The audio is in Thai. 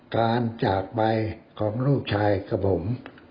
การจากไปของลูกชายกับผม